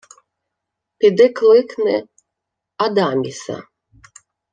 — Піди кликни... Адаміса.